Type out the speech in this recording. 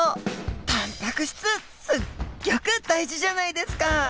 タンパク質すっギョく大事じゃないですか！